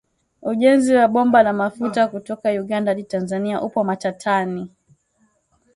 Ujenzi wa bomba la mafuta kutoka Uganda hadi Tanzania upo matatani.